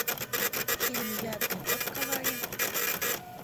— Тидым йӱат гын, от каваре?